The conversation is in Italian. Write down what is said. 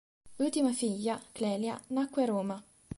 L'ultima figlia, Clelia, nacque a Roma.